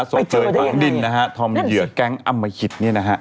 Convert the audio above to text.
ไปเจอได้ยังไงศพเจอยฟ้างดินนะฮะทำเหยื่อแก๊งอำมะหิตเนี่ยนะฮะ